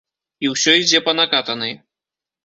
І ўсё ідзе па накатанай.